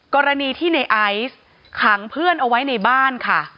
กรณีที่ในไอซ์ขังเพื่อนเอาไว้ในบ้านค่ะ